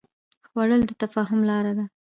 خوړل د تفاهم لاره ده